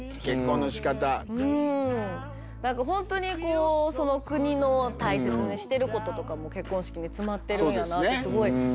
何か本当にその国の大切にしてることとかも結婚式に詰まってるんやなってすごい感じますね。